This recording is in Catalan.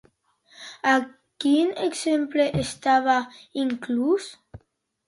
A quin exemplar estava inclòs?